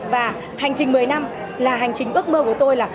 và hành trình một mươi năm là hành trình ước mơ của tôi là